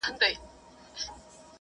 تعليم د ارزښتونو بنسټ جوړوي.